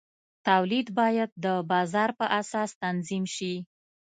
تولید باید د بازار په اساس تنظیم شي.